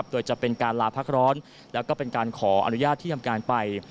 โดยจะเป็นการลาพักร้อนแล้วก็เป็นการขออนุญาตที่ทำการไป